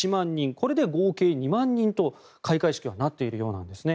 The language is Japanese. これで合計２万人と開会式はなっているようなんですね。